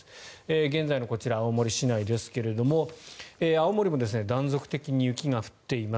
現在のこちら、青森市内ですが青森も断続的に雪が降っています。